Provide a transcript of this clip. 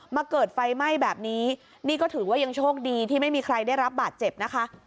เกิดไฟไหม้แบบนี้นี่ก็ถือว่ายังโชคดีที่ไม่มีใครได้รับบาดเจ็บนะคะ